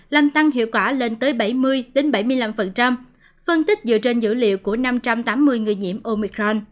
làm tăng hiệu quả lên tới bảy mươi bảy mươi năm phân tích dựa trên dữ liệu của năm trăm tám mươi người nhiễm omicron